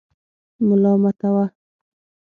ملامتاوه.